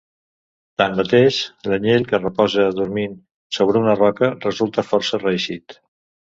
Tanmateix, l'anyell que reposa dormint sobre una roca, resulta força reeixit.